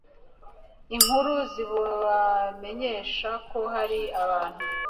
inkuru zibamenyesha ko hari abantu